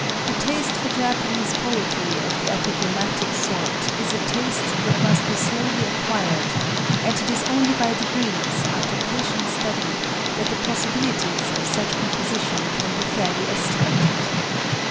The taste for Japanese poetry of the epigrammatic sort is a taste that must be slowly acquired; and it is only by degrees, after patient study, that the possibilities of such composition can be fairly estimated.